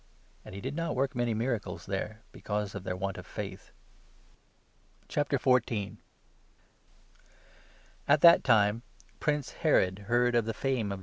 And he did not work many miracles there, because of their 58 want of faith. The Death of At that time Prince Herod heard of the fame of the Baptist.